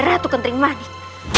ibu nda ratu kentri manik